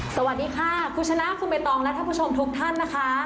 สวัสดีค่ะคุณชนะคุณเบตรองรัฐผู้ชมทุกท่านนะคะ